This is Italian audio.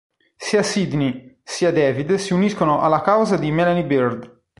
Sia Sydney sia David si uniscono alla causa di Melanie Bird.